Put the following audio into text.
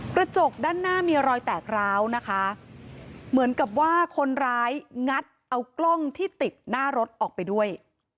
กระจกด้านหน้ามีรอยแตกร้าวนะคะเหมือนกับว่าคนร้ายงัดเอากล้องที่ติดหน้ารถออกไปด้วย